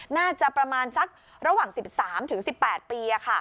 น่าจะประมาณสักระหว่าง๑๓๑๘ปี